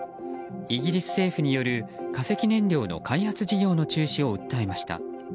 イギリス政府による化石燃料の開発事業の中止を訴えました。